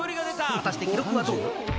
果たして記録はどうだ。